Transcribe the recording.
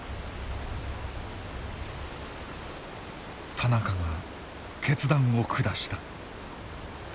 田中が決断を下した。